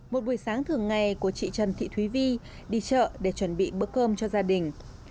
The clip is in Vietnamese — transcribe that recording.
một buổi sáng thường ngày của chị trần thị thúy vi đi chợ để chuẩn bị bữa cơm cho gia đình